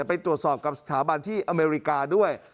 ไปตรวจสอบกับสถาบันที่อเมริกาด้วย